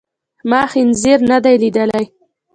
ما خنزير ندی لیدلی.